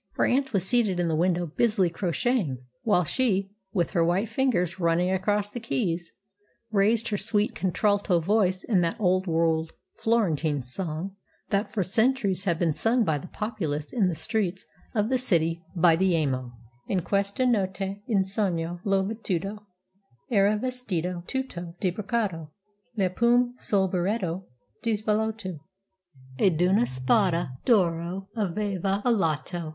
Her aunt was seated in the window busily crocheting, while she, with her white fingers running across the keys, raised her sweet contralto voice in that old world Florentine song that for centuries has been sung by the populace in the streets of the city by the Arno: In questa notte in sogno l'ho veduto Era vestito tutto di braccato, Le piume sul berretto di velluto Ed una spada d'oro aveva allato.